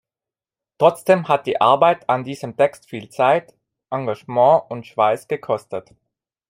Trotzdem hat die Arbeit an diesem Text viel Zeit, Engagement und Schweiß gekostet.